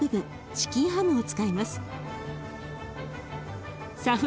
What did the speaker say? チキンハムを使います。